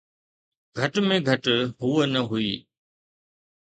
گهٽ ۾ گهٽ هوءَ نه هئي.